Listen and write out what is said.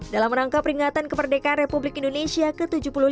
dalam rangka peringatan kemerdekaan republik indonesia ke tujuh puluh dua